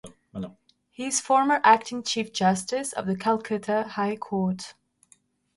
He is former acting Chief Justice of the Calcutta High Court.